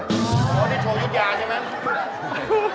โอ๊ยโอ๊ยนี่โชว์ยุฤญาณใช่ไหม